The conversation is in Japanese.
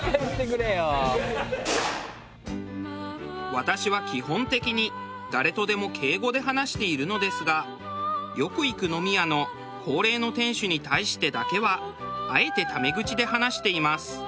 私は基本的に誰とでも敬語で話しているのですがよく行く飲み屋の高齢の店主に対してだけはあえてタメ口で話しています。